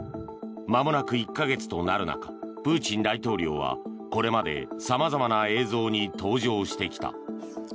まもなく１か月となる中プーチン大統領はこれまで様々な映像に登場してきた。